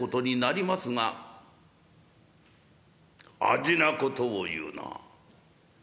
「味なことを言うな。